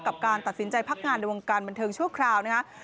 กับการตัดสินใจพักงานในวงการบันเทิงชั่วคราวนะครับ